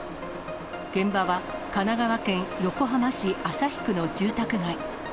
現場は神奈川県横浜市旭区の住宅街。